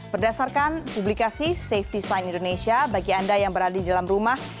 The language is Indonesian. berdasarkan publikasi safety sign indonesia bagi anda yang berada di dalam rumah